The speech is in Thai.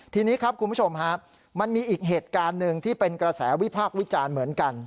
ทีนี้ครับคุณผู้ชมฮะมันมีอีกเหตุการณ์หนึ่งที่เป็นกระแสวิพากษ์วิจารณ์เหมือนกัน